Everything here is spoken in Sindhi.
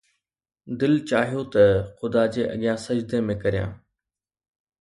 دل چاهيو ته خدا جي اڳيان سجدي ۾ ڪريان